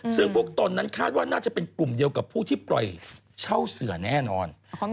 ซึ่งพวกตนนั้นคาดว่าน่าจะเป็นกลุ่มเดียวกับผู้ที่ปล่อยเช่าเสือแน่นอน